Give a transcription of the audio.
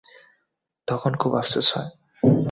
তখন খুব আফসোস হয়।